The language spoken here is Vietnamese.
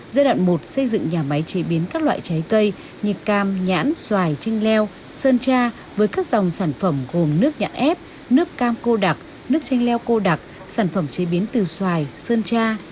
giai đoạn một xây dựng nhà máy chế biến các loại trái cây như cam nhãn xoài chanh leo sơn cha với các dòng sản phẩm gồm nước nhãn ép nước cam cô đặc nước chanh leo cô đặc sản phẩm chế biến từ xoài sơn cha